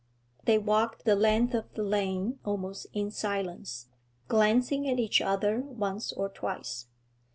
They walked the length of the lane almost in silence, glancing at each other once or twice.